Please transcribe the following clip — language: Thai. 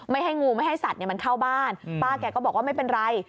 ให้งูไม่ให้สัตว์มันเข้าบ้านป้าแกก็บอกว่าไม่เป็นไร